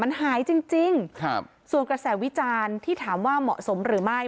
มันหายจริงจริงครับส่วนกระแสวิจารณ์ที่ถามว่าเหมาะสมหรือไม่